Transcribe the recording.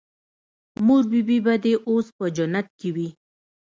مور بي بي به دې اوس په جنت کښې وي.